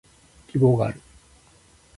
希望がある